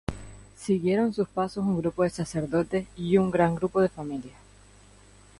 Siguieron sus pasos un grupo de sacerdotes y un gran grupo de familias.